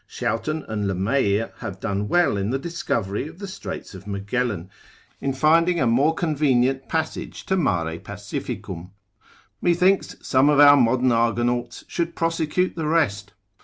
Shouten and Le Meir have done well in the discovery of the Straits of Magellan, in finding a more convenient passage to Mare pacificum: methinks some of our modern argonauts should prosecute the rest.